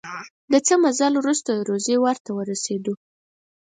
د څه مزل وروسته د روضې ور ته ورسېدو.